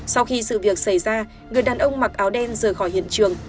sau khi sự việc xảy ra người đàn ông mặc áo đen rời khỏi hiện trường